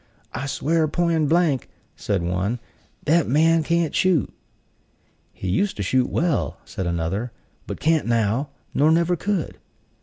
"I swear poin' blank," said one, "that man can't shoot." "He used to shoot well," said another; "but can't now, nor never could."